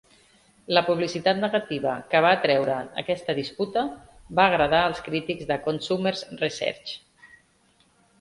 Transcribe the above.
La publicitat negativa que va atreure aquesta disputa va agradar als crítics de Consumers' Research.